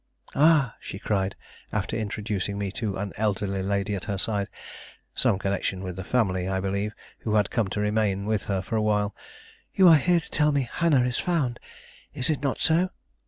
"Ah," she cried, after introducing me to an elderly lady at her side, some connection of the family, I believe, who had come to remain with her for a while, "you are here to tell me Hannah is found; is it not so?"